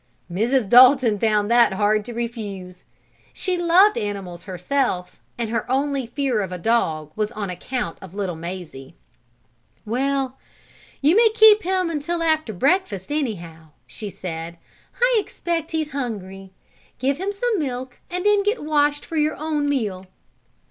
Mrs. Dalton found it hard to refuse. She loved animals herself, and her only fear of a dog was on account of little Mazie. "Well, you may keep him until after breakfast, anyhow," she said. "I expect he's hungry. Give him some milk, and then get washed for your own meal."